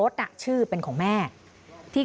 คุยกับตำรวจเนี่ยคุยกับตำรวจเนี่ย